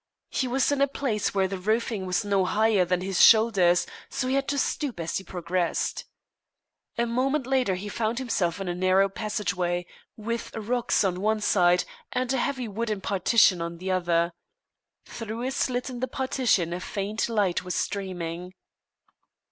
He was in a place where the roofing was no higher than his shoulders, so he had to stoop as he progressed. A moment later he found himself in a narrow passageway, with rocks on one side and a heavy wooden partition on the other. Through a slit in the partition a faint light was streaming.